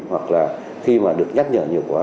hoặc là khi mà được nhắc nhở nhiều quá